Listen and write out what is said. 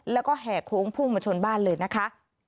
แล้วก็แห่โค้งพุ่งมาชนบ้านเลยนะคะ